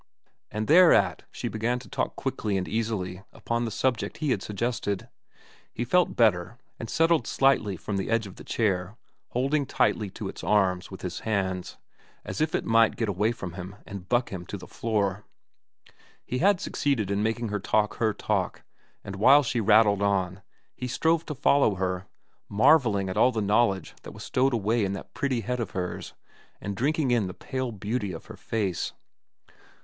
And thereat she began to talk quickly and easily upon the subject he had suggested. He felt better, and settled back slightly from the edge of the chair, holding tightly to its arms with his hands, as if it might get away from him and buck him to the floor. He had succeeded in making her talk her talk, and while she rattled on, he strove to follow her, marvelling at all the knowledge that was stowed away in that pretty head of hers, and drinking in the pale beauty of her face.